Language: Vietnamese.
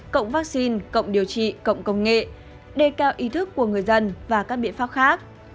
cộng vaccine cộng điều trị cộng công nghệ đề cao ý thức của người dân và các biện pháp khác